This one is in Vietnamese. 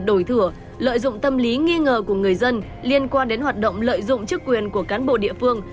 đổi thửa lợi dụng tâm lý nghi ngờ của người dân liên quan đến hoạt động lợi dụng chức quyền của cán bộ địa phương